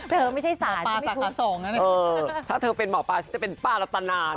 เธอไม่ใช่สารฉันไม่ทุบถ้าเธอเป็นหมอปลาฉันจะเป็นป้าลัตนานะ